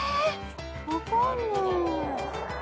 分かんない。